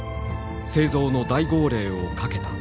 製造の大号令をかけた。